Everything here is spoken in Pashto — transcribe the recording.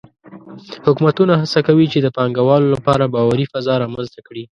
حکومتونه هڅه کوي چې د پانګهوالو لپاره باوري فضا رامنځته کړي.